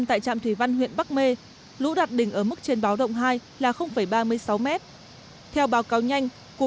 tại trạm thủy văn huyện bắc mê lũ đạt đỉnh ở mức trên báo động hai là ba mươi sáu m theo báo cáo nhanh của